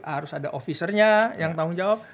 harus ada officernya yang tanggung jawab